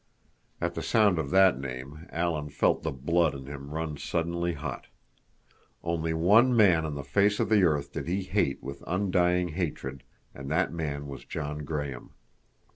At the sound of that name Alan felt the blood in him run suddenly hot. Only one man on the face of the earth did he hate with undying hatred, and that man was John Graham.